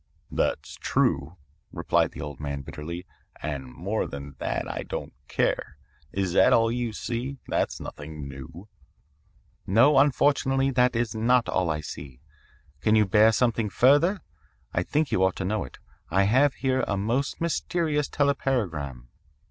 "'That's true,' replied the old man bitterly, 'and more than that I don't care. Is that all you see? That's nothing new.' "'No, unfortunately, that is not all I see. Can you bear something further? I think you ought to know it. I have here a most mysterious telepagram.'